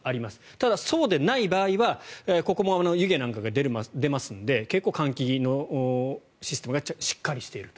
ただ、そうでない場合はここも湯気なんかが出ますので結構、換気のシステムがしっかりしていると。